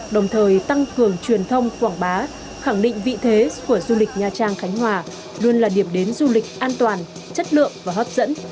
đồng thời tăng cường truyền thông quảng bá khẳng định vị thế của du lịch nha trang khánh hòa luôn là điểm đến du lịch an toàn chất lượng và hấp dẫn